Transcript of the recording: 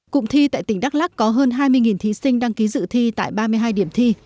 cụm thi tại tỉnh đắk lắc có hơn hai mươi thí sinh đăng ký dự thi tại ba mươi hai điểm thi